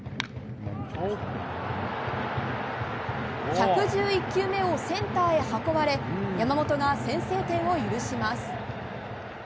１１１球目をセンターへ運ばれ山本が先制点を許します。